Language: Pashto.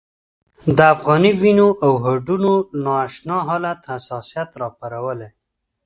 د افغاني وینو او هډونو نا اشنا حالت حساسیت راپارولی.